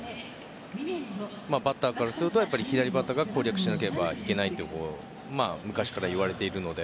バッターからすると左バッターを攻略しなければいけないと昔からいわれているので。